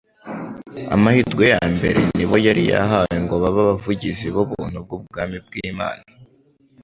Amahirwe ya mbere ni bo yari yahawe ngo babe abavugizi b'ubuntu bw'ubwami bw'Imana.